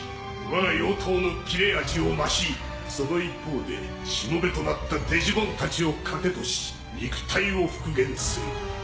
わが妖刀の切れ味を増しその一方でしもべとなったデジモンたちを糧とし肉体を復元する。